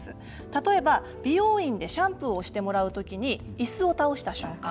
例えば美容院でシャンプーをしてもらう時に椅子を倒した瞬間。